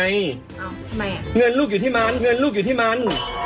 อยู่ที่มัน